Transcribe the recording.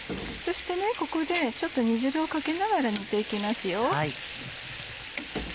そしてここでちょっと煮汁をかけながら煮て行きますよ。